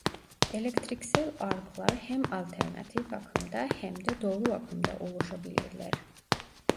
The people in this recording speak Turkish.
Elektriksel arklar hem alternatif akımda hem de doğru akımda oluşabilirler.